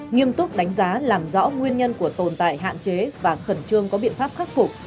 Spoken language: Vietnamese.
nghiêm túc đánh giá làm rõ nguyên nhân của tồn tại hạn chế và khẩn trương có biện pháp khắc phục